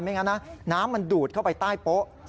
อย่างนั้นนะน้ำมันดูดเข้าไปใต้โป๊ะ